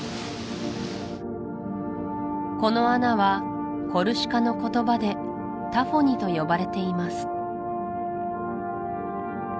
この穴はコルシカの言葉でタフォニと呼ばれています